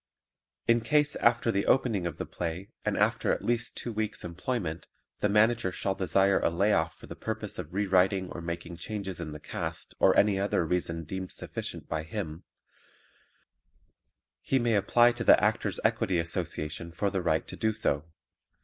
In case after the opening of the play and after at least two weeks' employment, the Manager shall desire a lay off for the purpose of re writing or making changes in the cast or any other reason deemed sufficient by him, he may apply to the Actors' Equity Association for the right to do so.